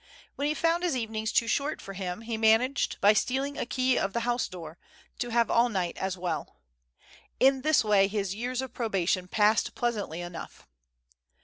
When he found his evenings too short for him he managed, by steal ing a key of the house door, to have all night as well. In this way his years of probation passed pleasantly enough.